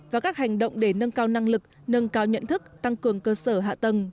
và các hành động để nâng cao năng lực nâng cao nhận thức tăng cường cơ sở hạ tầng